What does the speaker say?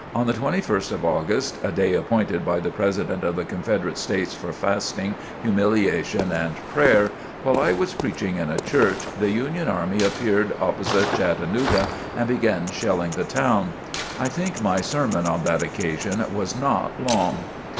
On the 21st of August, a day appointed by the President of the Confederate States for fasting, humiliation and prayer, while I was preaching in a church, the Union army appeared opposite Chattanooga and began shelling the town. I think my sermon on that occasion was not long.